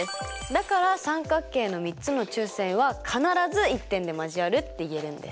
だから「三角形の３つの中線は必ず１点で交わる」っていえるんです。